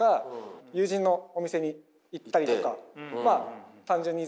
友人のお店に行ったりとか。